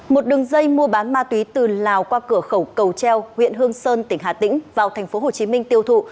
một đường dây mua bán ma túy từ lào qua cửa khẩu cầu treo huyện hương sơn tỉnh hà tĩnh vào tp hcm tiêu thụ